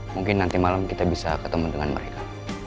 mungkin nanti malam kita bisa ketemu dengan mereka